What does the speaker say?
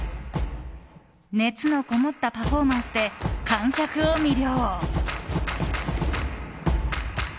熱のこもったパフォーマンスで観客を魅了。